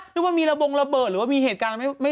หรือว่ามีระบงระเบิดหรือว่ามีเหตุการณ์